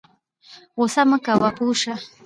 غوسه مه کوه پوه شه